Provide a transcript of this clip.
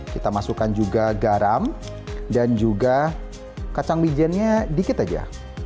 kita masukkan juga garam dan juga kacang bijennya dikit aja